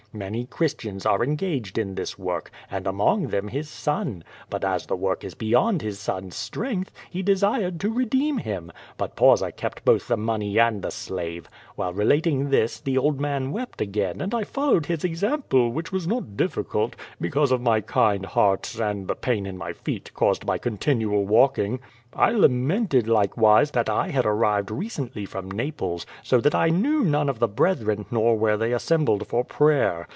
Many Christians arc engaged in this work, and among them his son; but as the work is beyond his son's strength, he desired to redeem him. But Pausa kept both the money and the slavo. AVhile relating this, the old man wept again and I followed his example, which was not difficult, because of my kind heart and the pain in my feet, caused by continual walking. J QUO VADIS. 123 I lamented, likewise, that I had arrived recently from Naples, so that I knew none of the brethren, nor where they assem bled for prayer.